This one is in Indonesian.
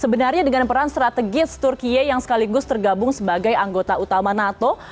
sebenarnya dengan peran strategis turkiye yang sekaligus tergabung sebagai anggota utama nato